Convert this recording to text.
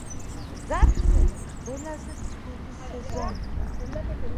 ზაფხული ყველაზე ცხელი სეზონია